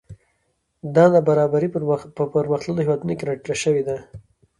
دا نابرابري په پرمختللو هېوادونو کې راټیټه شوې ده